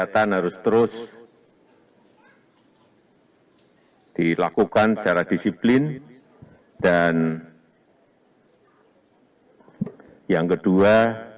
terus terus dilakukan secara disiplin dan yang kedua